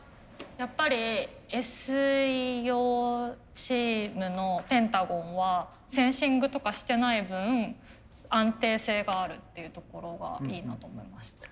やっぱりＳ陽チームのペン太５んはセンシングとかしてない分安定性があるっていうところがいいなと思いました。